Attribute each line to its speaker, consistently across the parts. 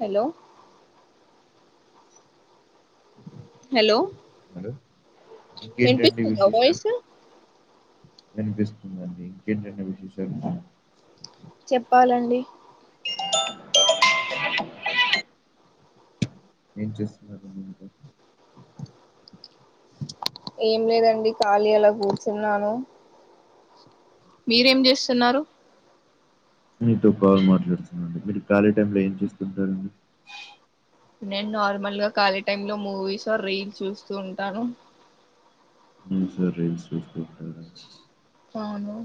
Speaker 1: Hello hello
Speaker 2: ఉన్నారు. ఇంకేంటండి
Speaker 1: వినిపిస్తుందా
Speaker 2: విశేషాలు?
Speaker 1: వాయిస్
Speaker 2: వినిపిస్తుందండి ఇంకేంటండి విశేషాలు
Speaker 1: చెప్పాలండి
Speaker 2: ఏం చేస్తున్నారు మీరు
Speaker 1: ఏం లేదండి ఖాళీ అలా కూర్చున్నాను మీరేం చేస్తున్నారు
Speaker 2: మీతో కాల్ మాట్లాడుతున్నానండి, మీరు ఖాళీ టైంలో ఏం చేస్తుంటారండి
Speaker 1: నేను నార్మల్ గా ఖాళీ టైమ్ లో మూవీస్ ఆర్ రీల్స్ చూస్తూ ఉంటాను
Speaker 2: హు సరే ఫిఫ్టీన్ మినిట్స్
Speaker 1: అవును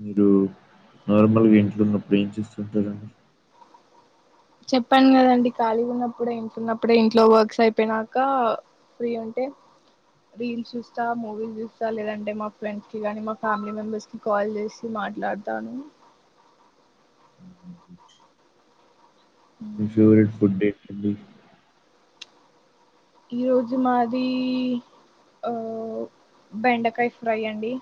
Speaker 2: మీరు నార్మల్గా ఇంట్లో ఉన్నప్పుడు ఏం చేస్తుంటారండి
Speaker 1: చెప్పాను కదండి ఖాళీగా ఉన్నప్పుడే ఉన్నప్పుడే ఇంట్లో వర్క్స్ అయిపోయినాక, ఫ్రీ ఉంటే రీల్స్ చూస్తా మూవీలు చూస్తా లేదంటే మా ఫ్రెండ్స్ కి కానీ మా ఫ్యామిలీ మెంబెర్స్ కి కాల్ చేసి మాట్లాడతాను.
Speaker 2: మీ ఫేవరెట్ ఫుడ్ ఏ హాలో
Speaker 1: ఈరోజు మాది ఆ బెండకాయ ఫ్రై అండి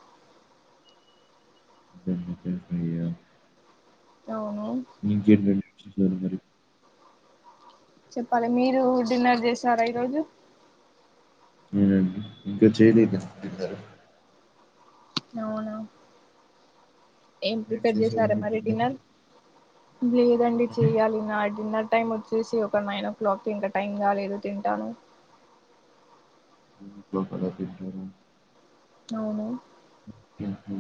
Speaker 2: [unintelligible] ఫ్రీ యా
Speaker 1: అవును
Speaker 2: ఇంకేంటండి సరె మరి
Speaker 1: చెప్పాలి మీరు డిన్నర్ చేసారా ఈ రోజు
Speaker 2: నేనా అండి ఇంకా చేయలేదండి, తిన్నారా
Speaker 1: అవును ఏం
Speaker 2: మీరు
Speaker 1: ప్రిపేర్
Speaker 2: చేశారా
Speaker 1: చేసారా
Speaker 2: అండి
Speaker 1: మరి డిన్నర్, లేదండి
Speaker 2: హ్మ్.
Speaker 1: చెయ్యాలి నా డిన్నర్ టైమ్ వచ్చి చూసి ఒక నైన్ ఓ క్లాక్కి ఇంకా టైం కాలేదు తింటాను
Speaker 2: నైన్ ఓ క్లాక్ అలా తింటారా
Speaker 1: అవును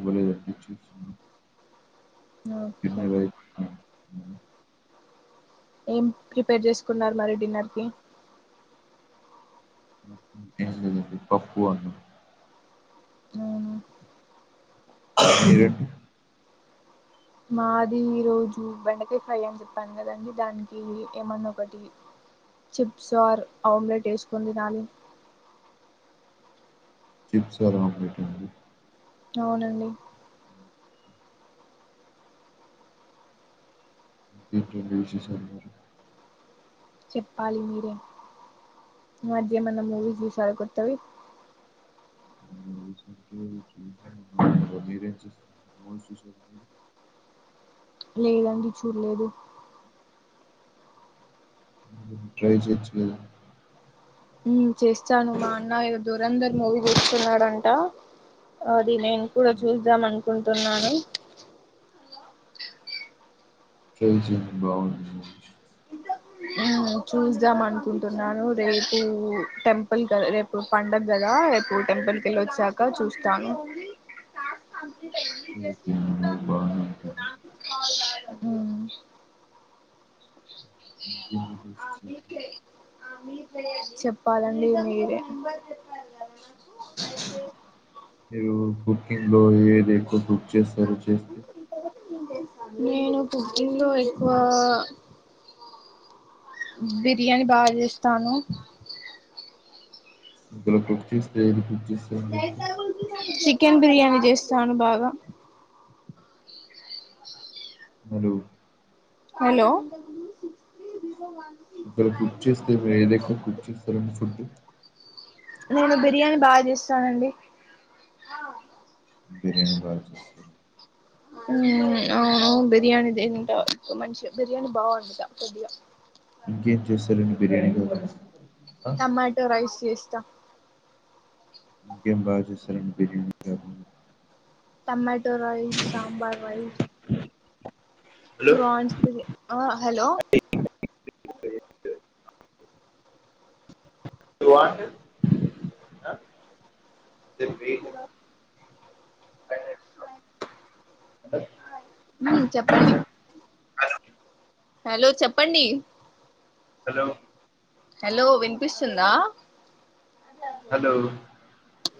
Speaker 2: బలే అనిపించింది సినిమా
Speaker 1: ఓకే
Speaker 2: అయిపోయిందా?
Speaker 1: ఏం ప్రిపేర్ చేసుకున్నారు మరి డిన్నర్ కి
Speaker 2: ఏం లేదండి పప్పు, అన్నం
Speaker 1: అవును
Speaker 2: మీరండి
Speaker 1: మాది ఈ రోజు బెండకాయ ఫ్రై అని చెప్పాను కదండి దానికి ఏమన్నా ఒకటి చిప్స్ ఆర్ ఆమ్లెట్ వేసుకుని తినాలి
Speaker 2: చిప్స్ ఆర్ ఆమ్లెటా అండి
Speaker 1: అవునండి
Speaker 2: ఇంకేంటండి విశేషాలు
Speaker 1: చెప్పాలి మీరే, ఈమధ్య ఏమైనా మూవీస్ చూశారా కొత్తవి
Speaker 2: మూవీస్ అంటే చూసా మరి మీరేం చూశారు మూవీస్ చూశారా
Speaker 1: లేదండి చూడలేదు
Speaker 2: ట్రై చేయొచ్చుగా
Speaker 1: ఉ చేస్తాను మా అన్న ఇడ దొ వరందర్ మూవీ చూస్తున్నాడంట ది నేను కూడా చూద్దాంను కుంటున్నాను
Speaker 2: ట్రై చేయ్ బాగుంది
Speaker 1: మ్మ్ చూస్దాం అనుకుంటున్నాను రేపు టెంపుల్ క రేపు పండగ కదా రేపు టెంపుల్ కెళ్ళి వచ్చాక చూస్తాను.
Speaker 2: చిన్ని చిన్ని బాగున్నాం చిన్ని
Speaker 1: ఉమ్
Speaker 2: మ్ [inaudible]
Speaker 1: చెప్పాలండి మీరే
Speaker 2: మీరు ఇ లో ఏది ఎక్కువ బుక్ చేస్తారో చేస్తే
Speaker 1: నేను పుట్టింట్లో ఎక్కువగా బిర్యానీ బాగ చేస్తాను
Speaker 2: బలే కుక్ చేస్తే ఏదికు
Speaker 1: చి కెన్ బిర్యానీ చేస్తాను బాగా
Speaker 2: హలో
Speaker 1: హలో
Speaker 2: ఒకవేళ కుక్ చేస్తే మీరు ఏది ఎక్కువ కుక్ చేస్తారండి ఫుడ్
Speaker 1: నేను బిర్యానీ బాగ చేస్తానండి ఆ
Speaker 2: బిర్యానీ బాగచేస్తారా
Speaker 1: అవును బిర్యానీ తింటా మంచిగ బిర్యానీ బాగా వండుతా కొద్దిగా,
Speaker 2: ఇంకేం చేస్తారు అండి బిర్యానీ కాకుండా ఆ?
Speaker 1: టమాటో రైస్ చేస్తా
Speaker 2: ఇంకేం బాగా చేస్తారండి బిర్యానీ కా
Speaker 1: tomato butter rice sambar rice
Speaker 2: చ్
Speaker 1: ఆ హలో
Speaker 2: అ వాట్ చెప్పు ఏంటి చ్
Speaker 1: ఉ చెప్పండి హలో చెప్పండి
Speaker 2: హలో
Speaker 1: హలో వినిపిస్తుందా అద
Speaker 2: హలో
Speaker 1: అ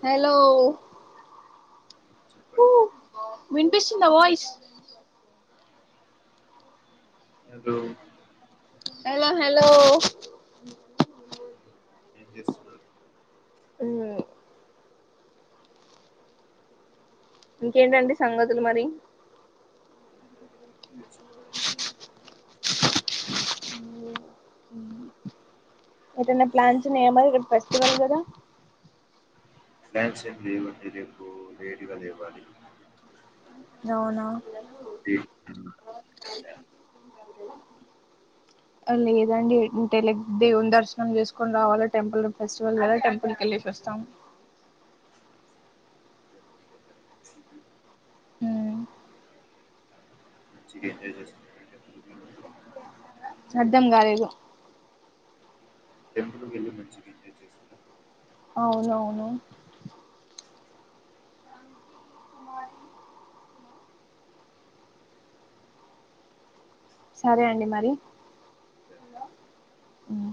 Speaker 1: హలో ఊ
Speaker 2: హలో
Speaker 1: వినిపిస్తుందా వాయిస్
Speaker 2: హలో
Speaker 1: హలో హలో
Speaker 2: ఏం చేస్తున్నారు
Speaker 1: హమ్ ఇంకేంటండి సంగతులు మరి
Speaker 2: ఇ చె
Speaker 1: ఏదన్న ప్లాన్స్ ఉన్నాయా మరి రీ బ్బస్ ఇవ్వరు కదా
Speaker 2: డాన్సీ రేపటి నించి రేపు లేటుగలెవ్వాలి
Speaker 1: అవునా లేదండి తెలి దేవుం దర్శనం చేసుకొని రావాలీ టెంపుల్ ఫె స్టీవల్ కదా టెంప్ కలి ప్రస్తాం
Speaker 2: అ [unintelligible]
Speaker 1: అర్ధం కాలేదు
Speaker 2: టెంపుల్కి వెళ్ళి మంచిగా ఎంజాయ్ చేశారా
Speaker 1: అవునవును కుమారి సరే అండి మరి హలో ఆ